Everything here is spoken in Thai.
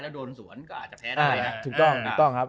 แล้วโดนสวนก็อาจจะแพ้ได้นะ